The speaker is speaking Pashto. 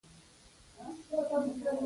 د احمد زړه غوړېدل دی.